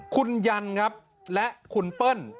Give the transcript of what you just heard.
คุณยันครับและคุณเปิ้ล